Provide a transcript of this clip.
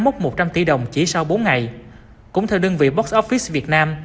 mốc một trăm linh tỷ đồng chỉ sau bốn ngày cũng theo đơn vị box office việt nam